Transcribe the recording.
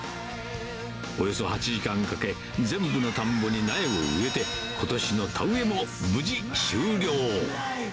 およそ８時間かけ、全部の田んぼに苗を植えて、ことしの田植えも無事、終了。